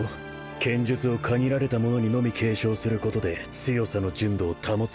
剣術を限られた者にのみ継承することで強さの純度を保つってことか